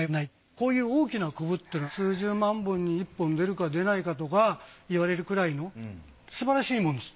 こういう大きな瘤というのは数十万本に１本出るか出ないかとかいわれるくらいのすばらしいものです。